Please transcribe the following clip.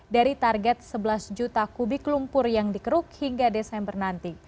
dari target sebelas juta kubik lumpur yang dikeruk hingga desember nanti